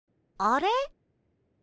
あれ？